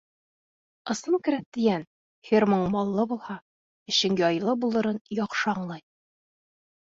Ысын крәҫтиән фермаң маллы булһа, эшең яйлы булырын яҡшы аңлай.